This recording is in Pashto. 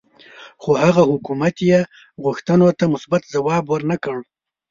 خو هغه حکومت یې غوښتنو ته مثبت ځواب ورنه کړ.